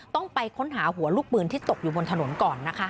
ต้องไปค้นหาหัวลูกปืนที่ตกอยู่บนถนนก่อนนะคะ